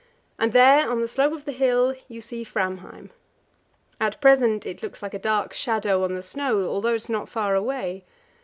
And there on the slope of the hill you see Framheim. At present it looks like a dark shadow on the snow, although it is not far away.